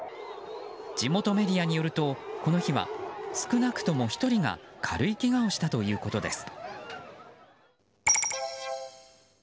地元メディアによるとこの日は少なくとも１人が軽いけがをしたということです。